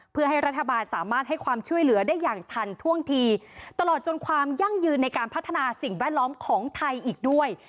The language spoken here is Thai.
เพื่อให้รัฐบาลสามารถให้ความช่วยเหลือได้อย่างทันท่วงทีตลอดจนความยั่งยืนในการพัฒนาสิ่งแวดล้อมของไทยอีกด้วย